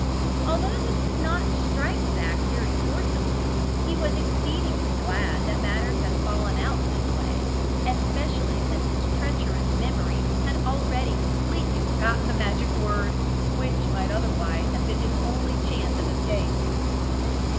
Although this did not strike Zac very forcibly, he was exceedingly glad that matters had fallen out in this way, especially since his treacherous memory had already completely forgotten the magic word, which might otherwise have been his only chance of escape.